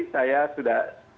saya sudah tulis juga di bawah sini